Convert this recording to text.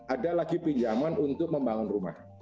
ada lagi pinjaman untuk membangun rumah